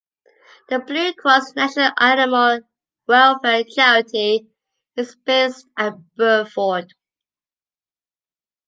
The Blue Cross National Animal Welfare Charity is based at Burford.